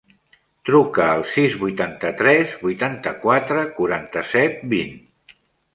Truca al sis, vuitanta-tres, vuitanta-quatre, quaranta-set, vint.